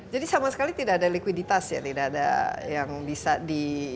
jadi sama sekali tidak ada likuiditas ya tidak ada yang bisa di